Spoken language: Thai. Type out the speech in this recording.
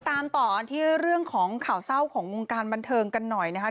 ตามต่อกันที่เรื่องของข่าวเศร้าของวงการบันเทิงกันหน่อยนะคะ